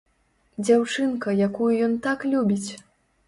Дзяўчынка, якую ён так любіць!